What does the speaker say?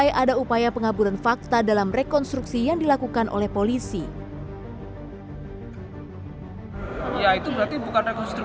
ya itu bentuk pengaburan fakta yang dilakukan oleh kepolisian